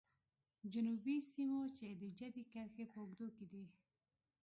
جنوبي سیمو چې د جدي کرښې په اوږدو کې دي.